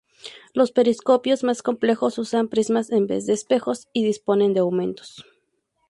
Los periscopios más complejos usan prismas en vez de espejos, y disponen de aumentos